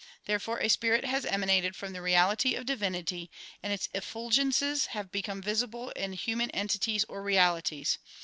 Therefore a spirit has emanated from the reality of divinity, and its effulgences have become visible in human entities or realities.